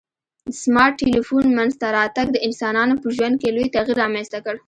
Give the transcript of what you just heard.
د سمارټ ټلیفون منځته راتګ د انسانانو په ژوند کي لوی تغیر رامنځته کړ